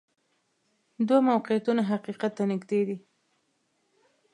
دوه موقعیتونه حقیقت ته نږدې دي.